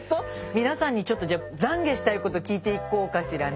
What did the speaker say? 皆さんにちょっとじゃ懺悔したいこと聞いていこうかしらね。